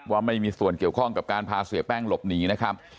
ว่าไม่มีส่วนเกี่ยวข้องกับการพาเสียแป้งหลบหนีนะครับ